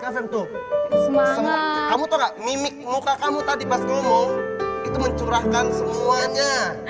kafem tuh semangat kamu tahu gak mimik muka kamu tadi pas ngomong itu mencurahkan semuanya